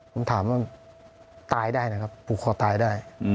ผมถามว่าตายได้นะครับผูกคอตายได้